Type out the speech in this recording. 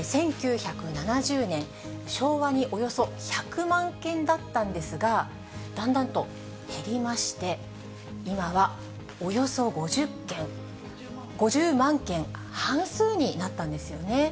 １９７０年、昭和におよそ１００万件だったんですが、だんだんと減りまして、今はおよそ５０万件、半数になったんですね。